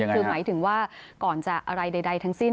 คือหมายถึงว่าก่อนจะอะไรใดทั้งสิ้น